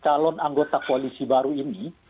calon anggota koalisi baru ini